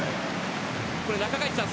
これ、中垣内さん